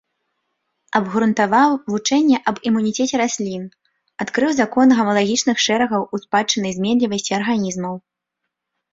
Абгрунтаваў вучэнне аб імунітэце раслін, адкрыў закон гамалагічных шэрагаў у спадчыннай зменлівасці арганізмаў.